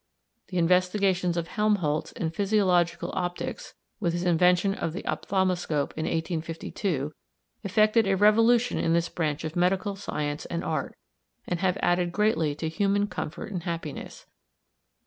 The investigations of Helmholtz in physiological optics, with his invention of the ophthalmoscope in 1852, effected a revolution in this branch of medical science and art, and have added greatly to human comfort and happiness.